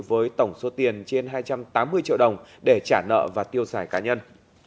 với tổng số tiền trên hai trăm tám mươi triệu đồng để trả nợ và tiêu xài cá nhân